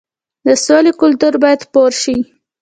د سولې کلتور باید خپور شي.